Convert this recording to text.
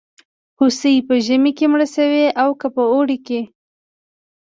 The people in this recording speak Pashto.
هوسۍ په ژمي کې مړه شوې او که په اوړي کې.